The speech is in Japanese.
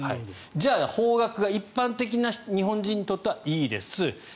じゃあ、邦楽が一般的な日本人にとってはいいです